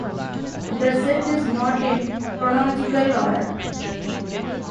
The set is not in chronological order.